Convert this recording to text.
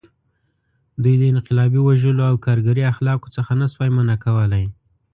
دوی د انقلابي وژلو او کارګري اخلاقو څخه نه شوای منع کولی.